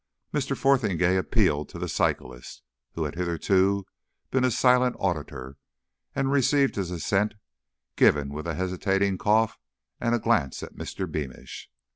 Mr. Fotheringay appealed to the cyclist, who had hitherto been a silent auditor, and received his assent given with a hesitating cough and a glance at Mr. Beamish.